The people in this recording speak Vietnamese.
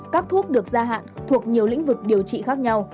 các thuốc được gia hạn thuộc nhiều lĩnh vực điều trị khác nhau